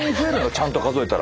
ちゃんと数えたら。